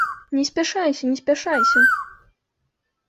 Не спяшайся, не спяшайся!